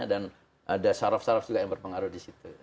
dan ada syaraf syaraf juga yang berpengaruh di situ